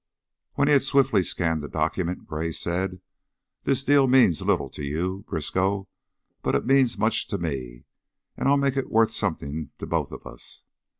When he had swiftly scanned the document, Gray said: "This deal means little to you, Briskow, but it means much to me, and I'll make it worth something to both of us.